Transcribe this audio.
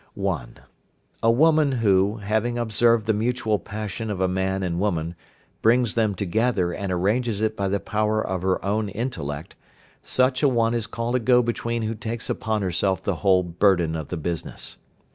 (1). A woman who, having observed the mutual passion of a man and woman, brings them together and arranges it by the power of her own intellect, such an one is called a go between who takes upon herself the whole burden of the business.